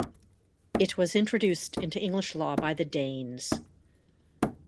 It was introduced into English law by the Danes.